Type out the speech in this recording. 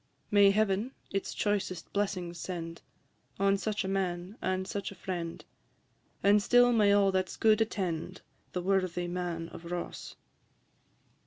May Heaven its choicest blessings send On such a man, and such a friend; And still may all that 's good attend The worthy Man of Ross.